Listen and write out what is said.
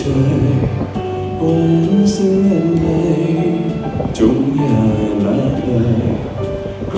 วันเสื้อในจงยากมากเลย